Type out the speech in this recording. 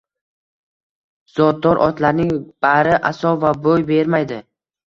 Zotdor otlarning bari asov va bo`y bermaydi